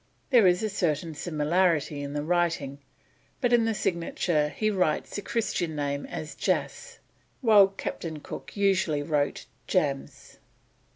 There is a certain similarity in the writing, but in the signature he writes the Christian name as Jas, whilst Captain Cook usually wrote Jams.